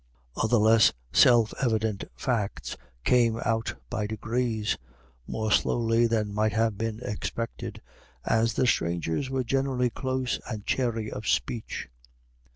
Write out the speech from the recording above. Other less self evident facts came out by degrees more slowly than might have been expected, as the strangers were generally close and chary of speech.